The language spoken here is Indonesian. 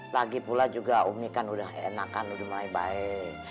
lagi pula juga umi kan udah enakan udah mulai baik